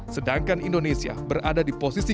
sedangkan indonesia berada di posisi